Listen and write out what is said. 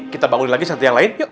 kita bangunin lagi santai yang lain yuk